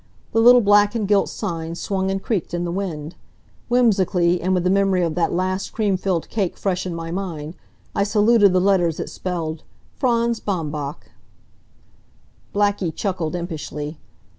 The little black and gilt sign swung and creaked in the wind. Whimsically, and with the memory of that last cream filled cake fresh in my mind, I saluted the letters that spelled "Franz Baumbach." Blackie chuckled impishly.